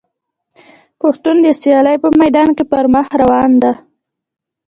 پښتو د سیالۍ په میدان کي پر مخ روانه ده.